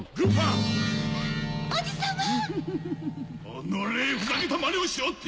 おのれふざけたまねをしおって！